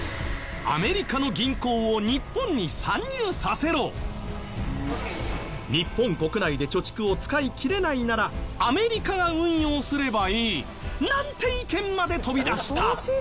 すると日本国内で貯蓄を使いきれないならアメリカが運用すればいいなんて意見まで飛び出した！